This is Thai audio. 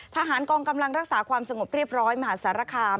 ทหารกองกำลังรักษาความสงบเรียบร้อยมหาสารคาม